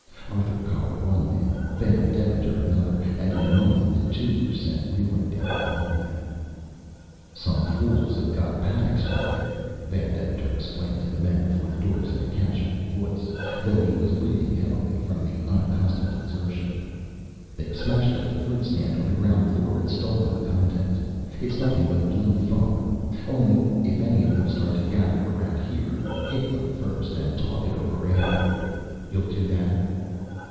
Arthur collared one man, Van Deventer another, and in a moment the two were sent reeling down the hallway. "Some fools have got panic stricken!" Van Deventer explained to the men before the doors in a casual voice, though he was breathing heavily from the unaccustomed exertion. "They've smashed up the fruit stand on the ground floor and stolen the contents. It's nothing but blue funk! Only, if any of them start to gather around here, hit them first and talk it over afterward. You'll do that?"